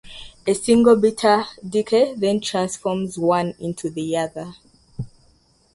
A single beta decay then transforms one into the other.